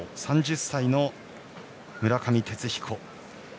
３０歳の村上哲彦。